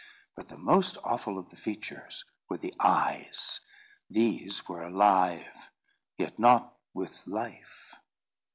But the most awful of the features were the eyes. These were alive, yet not with life.